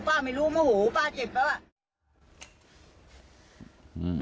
ป้าไม่รู้โอโหป้าเจ็บแล้ว